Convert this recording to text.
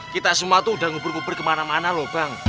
kita semua tuh udah ngubur ngubur kemana mana loh bang